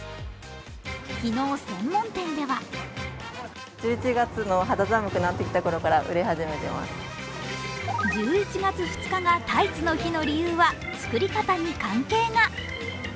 昨日、専門店では１１月２日がタイツの日の理由は作り方に理由が。